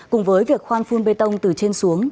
cùng với việc khoan phun bê tông từ trên xuống